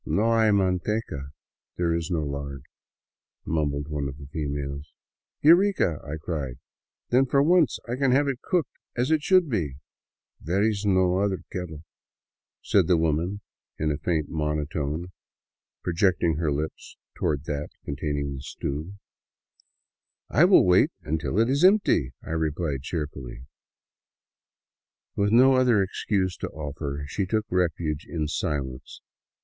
" Now hay manteca — there is no lard," mumbled one of the fe males. " Eureka !" I cried, " Then for once I can have it cooked as it should be." " There is no other kettle," said the woman in a faint monotone, pro jecting her lips toward that containing the stew. 228 THE WILDS OF NORTHERN PERU I will wait until it is empty," I replied cheerfully. With no other excuse to offer, she took refuge in silence.